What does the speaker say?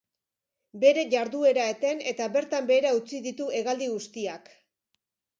Bere jarduera eten eta bertan behera utzi ditu hegaldi guztiak.